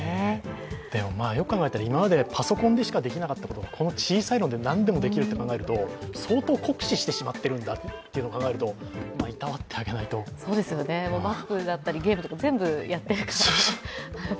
でも、よく考えたら、今までパソコンでしかできなかったことがこの小さいので何でもできると考えると相当、酷使してしまっているんだと考えると、いたわってあげないとマップだったりゲームだったり全部やっているから。